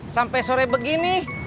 sampai sore begini